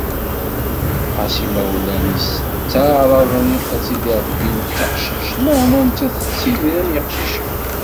Ɣas imawlan-is ttaεraḍen ad tt-id-rebbin d taqcict, meɛna nettat tettidir am yiqcicen.